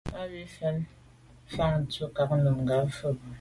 Á wʉ́ Nùmí fə̀ ə́ fáŋ ntɔ́ nkáà Nùgà fáà bɔ̀.